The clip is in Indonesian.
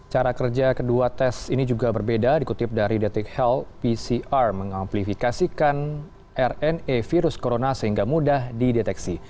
cara kerja kedua tes ini juga berbeda dikutip dari detik health pcr mengamplifikasikan rna virus corona sehingga mudah dideteksi